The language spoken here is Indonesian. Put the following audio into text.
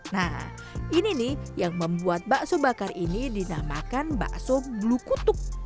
nah ini nih yang membuat bakso bakar ini dinamakan bakso blue kutuk